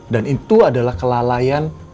dan itu adalah kelalaian pak nino sebabnya